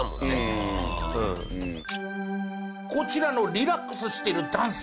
こちらのリラックスしてる男性